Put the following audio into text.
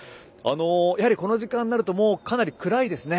やはり、この時間になるとかなり暗いですね。